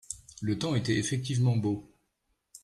Le temps était effectivement beau.